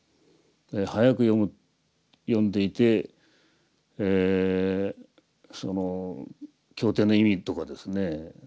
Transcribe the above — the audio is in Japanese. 早く読んでいて経典の意味とかですね